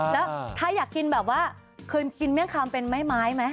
แล้วถ้าอยากกินแบบว่าเคยกินเมี่ยงคำเป็นแม่ไม้ไหม